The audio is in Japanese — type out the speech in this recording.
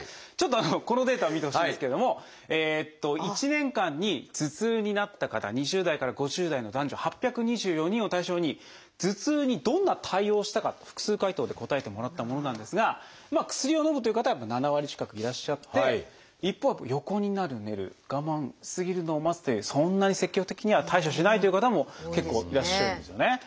ちょっとこのデータを見てほしいんですけども１年間に頭痛になった方２０代から５０代の男女８２４人を対象に頭痛にどんな対応をしたか複数回答で答えてもらったものなんですが薬をのむという方やっぱ７割近くいらっしゃって一方横になる・寝る我慢・過ぎるのを待つというそんなに積極的には対処しないという方も結構いらっしゃるんですよね。